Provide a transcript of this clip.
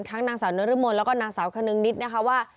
ทั้งนางสาวน้อยรึมนแล้วก็นางสาวขนึงนิดนะคะว่า